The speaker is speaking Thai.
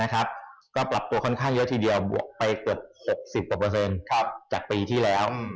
ก็ปรับตัวค่อนข้างเยอะทีเดียวไปกว่า๖๐กว่าจากปีที่แล้ว